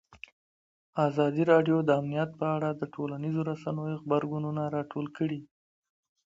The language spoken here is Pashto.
ازادي راډیو د امنیت په اړه د ټولنیزو رسنیو غبرګونونه راټول کړي.